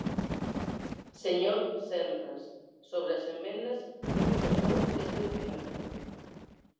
Señor Senras, sobre as emendas xa me pasou ese documento.